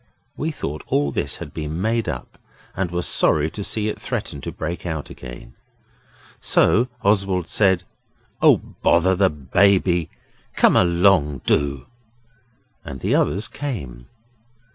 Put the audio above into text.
We thought all this had been made up, and were sorry to see it threaten to break out again. So Oswald said 'Oh, bother the Baby! Come along, do!' And the others came.